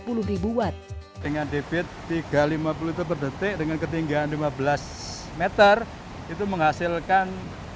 ketinggian debit rp tiga lima ratus itu berdetik dengan ketinggian lima belas meter itu menghasilkan